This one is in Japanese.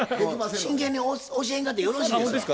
真剣に教えんかてよろしいですわ。